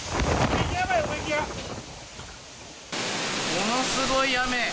ものすごい雨。